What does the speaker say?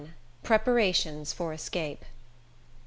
Preparations For Escape.